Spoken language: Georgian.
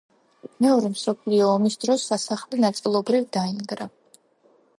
მეორე მსოფლიო ომის დროს სასახლე ნაწილობრივ დაინგრა.